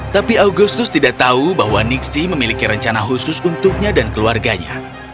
tapi agustus tidak tahu bahwa nixi memiliki rencana khusus untuknya dan keluarganya